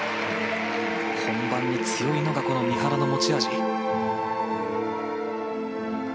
本番に強いのが三原の持ち味。